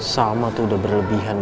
sama tuh udah berlebihan